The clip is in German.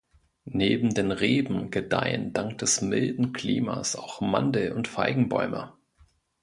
Neben den Reben gedeihen dank des milden Klimas auch Mandel- und Feigenbäume.